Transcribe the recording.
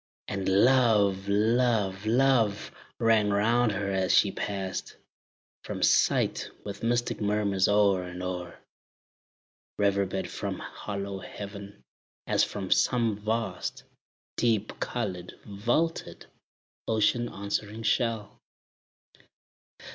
And "love, love, love," rang round her as she passed From sight, with mystic murmurs o'er and o'er Reverbed from hollow heaven, as from some vast, Deep colored, vaulted, ocean answering shell.